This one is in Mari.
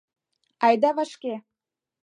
Айда вашке!